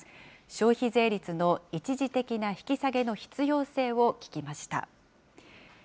消費税率の一時的な引き下げの必要性を聞きました。